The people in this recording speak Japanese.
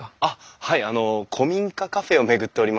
はいあの古民家カフェを巡っておりまして。